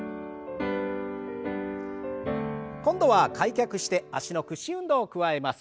今度は開脚して脚の屈伸運動を加えます。